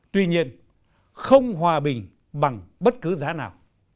tuy nhiên không hòa bình bằng bất cứ giá nào